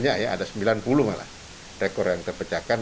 saya lihat kan ada banyak ya ada sembilan puluh malah rekor yang terpecahkan